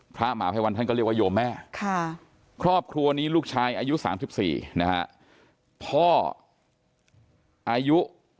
พระหมาภัยวันท่านก็เรียกว่าโยมแม่ครอบครัวนี้ลูกชายอายุ๓๔นะฮะพ่ออายุ